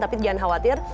tapi jangan khawatir